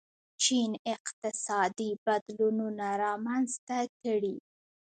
چین اقتصادي بدلونونه رامنځته کړي.